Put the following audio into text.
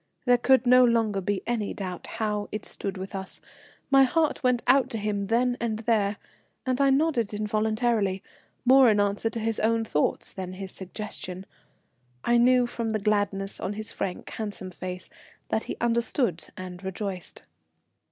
There could no longer be any doubt how "it stood with us;" my heart went out to him then and there, and I nodded involuntarily, more in answer to his own thoughts than his suggestion. I knew from the gladness on his frank, handsome face that he understood and rejoiced.